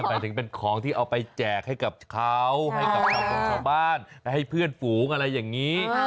หมายถึงเป็นของที่เอาไปแจกให้กับเขาให้กับชาวบงชาวบ้านและให้เพื่อนฝูงอะไรอย่างนี้